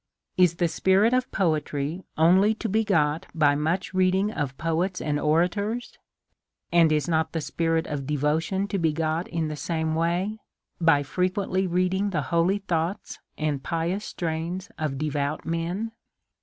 Is the spirit of poetry only to be got by much read ing of poets and orators ? And is not the spirit of de votion to be got in the same way by a frequent reading the holy thoughts and pious strains of devout men?